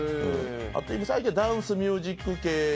あと最近ダンスミュージック系。